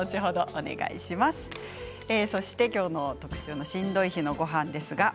今日の特集のしんどい日のごはんです。